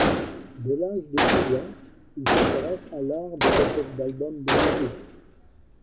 Dès l'âge de douze ans, il s'intéresse à l'art des pochettes d'albums de musique.